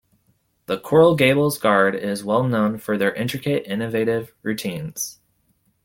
The Coral Gables Guard is well known for their intricate, innovative routines.